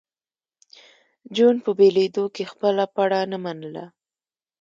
جون په بېلېدو کې خپله پړه نه منله